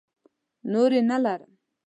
نورې نه لرم.